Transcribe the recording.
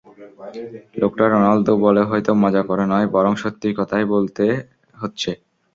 লোকটা রোনালদো বলে হয়তো মজা করে নয়, বরং সত্যিই কথাটা বলতে হচ্ছে।